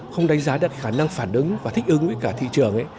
không đánh giá được khả năng phản ứng và thích ứng với cả thị trường